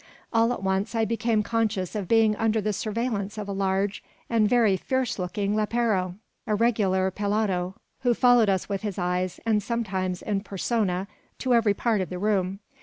All at once I became conscious of being under the surveillance of a large and very fierce looking lepero, a regular pelado, who followed us with his eyes, and sometimes in persona, to every part of the room.